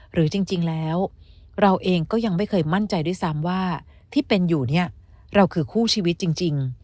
หรือจริงแล้วเราเองก็ยังไม่เคยมั่นใจด้วยซ้ำว่าที่เป็นอยู่เนี่ยเราคือคู่ชีวิตจริง